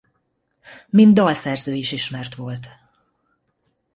Mint dalszerző is ismert volt.